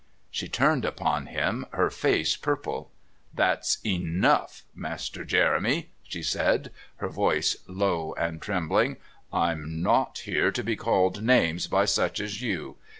She turned upon him, her face purple. "That's enough, Master Jeremy," she said, her voice low and trembling. "I'm not here to be called names by such as you.